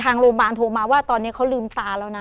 ทางโรงพยาบาลโทรมาว่าตอนนี้เขาลืมตาแล้วนะ